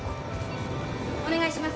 お願いします。